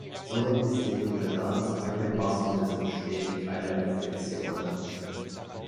Somit ist die Impedanz angepasst und es entstehen keine Reflexionen.